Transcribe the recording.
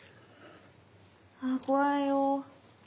あ怖いよ。